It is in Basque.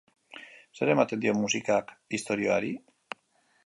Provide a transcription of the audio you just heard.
Zer ematen dio musikak istorioari?